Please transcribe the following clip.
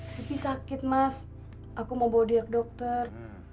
tapi sakit mas aku mau bawa dia ke dokter